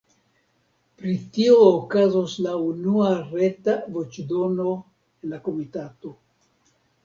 Pri tio okazos la unua reta voĉdono en la komitato.